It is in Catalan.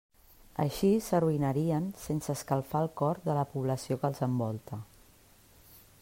Així s'arruïnarien sense escalfar el cor de la població que els envolta.